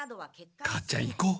母ちゃん行こう。